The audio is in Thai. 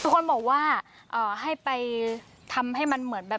คนบอกว่าให้ไปทำให้มันเหมือนแบบ